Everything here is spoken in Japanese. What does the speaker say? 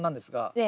ええ。